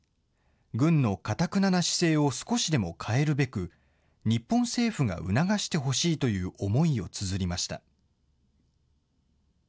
軍のかたくなな姿勢を少しでも変えるべく、日本政府が促してほしいという思いをつづりました。